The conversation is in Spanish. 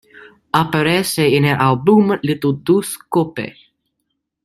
Aparece en el álbum "Little Deuce Coupe".